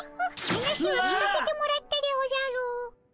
話は聞かせてもらったでおじゃる。